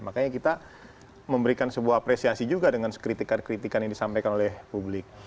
makanya kita memberikan sebuah apresiasi juga dengan sekritikan kritikan yang disampaikan oleh publik